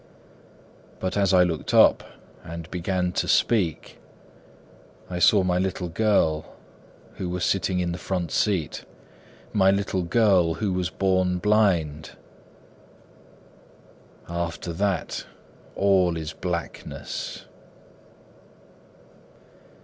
But just as I stood up and began to speak I saw my little girl, who was sitting in the front seat— My little girl who was born blind! After that, all is blackness.